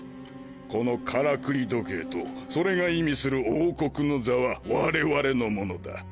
このからくり時計とそれが意味する王国の座は我々のものだ。